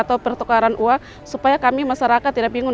atau pertukaran uang supaya kami masyarakat tidak bingung